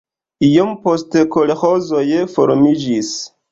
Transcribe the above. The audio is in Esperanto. Iom poste kolĥozoj formiĝis.